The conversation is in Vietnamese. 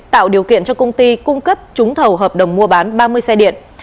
tạo điều kiện cho công ty cung cấp trúng thầu hợp đồng mua bán ba mươi xe điện